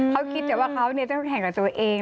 เขาคิดว่าเขาเนี่ยต้องแข่งกับตัวเอง